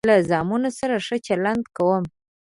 له زامنو سره ښه چلند کوم.